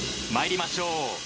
まいりましょう。